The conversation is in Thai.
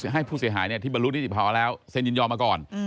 ให้ผู้เสียหายที่บรรลุนิติภาวะแล้วเซ็นยินยอมมาก่อน